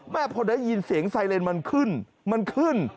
พอได้ยินเสียงไซเรนมันขึ้นมันขึ้น